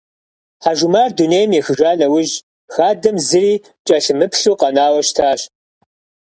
Хьэжумар дунейм ехыжа нэужь, хадэм зыри кӏэлъымыплъу къэнауэ щытащ.